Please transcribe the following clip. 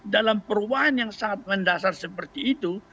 dalam perubahan yang sangat mendasar seperti itu